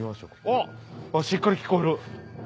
あっしっかり聞こえる。